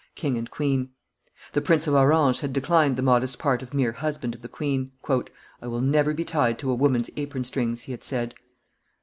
king and queen); the Prince of Orange had declined the modest part of mere husband of the queen. "I will never be tied to a woman's apron strings," he had said.